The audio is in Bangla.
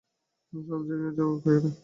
সব জয় করে।